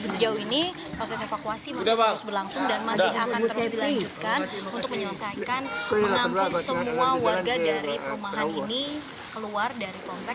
sejauh ini proses evakuasi masih terus berlangsung dan masih akan terus dilanjutkan untuk menyelesaikan mengangkut semua warga dari perumahan ini keluar dari komplek